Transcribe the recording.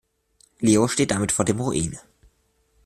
Leo steht damit vor dem Ruin.